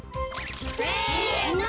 せの！